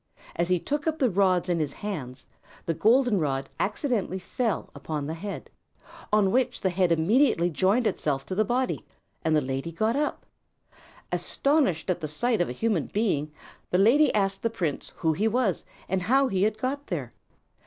As he took up the rods in his hands, the golden rod accidentally fell upon the head, on which the head immediately joined itself to the body, and the lady got up. Astonished at the sight of a human being, the lady asked the prince who he was and how he had got there.